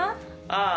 ああ。